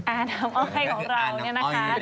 อ้าน้ำอ้อยใครของเราเนี่ยนะคะ